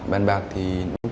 bàn bạc thì